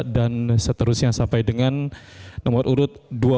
dan seterusnya sampai dengan nomor urut dua puluh